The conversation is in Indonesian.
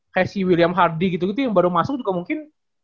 kayak si william hardy gitu gitu yang baru masuk juga mungkin